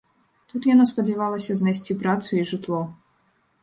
Тут яна спадзявалася знайсці працу і жытло.